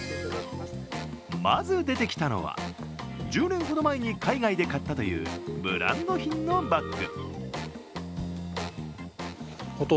まず出てきたのは、１０年ほど前に海外で買ったというブランド品のバッグ。